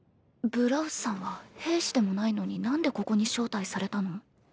ブラウスさんは兵士でもないのに何でここに招待されたの？